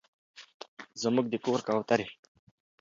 زموږ د کور کوترې